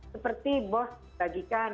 seperti bos bagikan